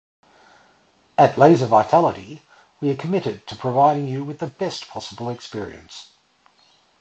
At Laser Vitality, we are committed to providing you with the best possible experience.